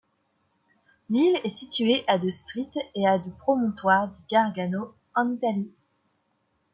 L'ile est située à de Split et à du promontoire du Gargano en Italie.